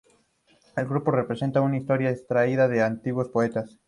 El grupo representa una historia extraída de antiguos poetas.